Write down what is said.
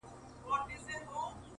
ما چي ټانګونه په سوکونو وهل.!